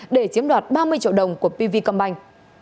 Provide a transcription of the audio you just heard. để chiếm đoạt ba mươi triệu đồng của pv com banh